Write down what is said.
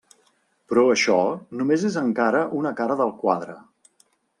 Però això només és encara una cara del quadre.